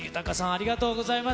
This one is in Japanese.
ありがとうございます。